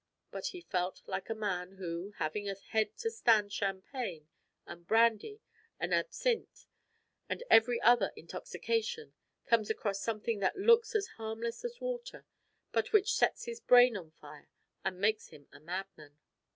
But he felt like a man who, having a head to stand champagne and brandy and absinthe and every other intoxication, comes across something that looks as harmless as water, but which sets his brain on fire and makes him a madman.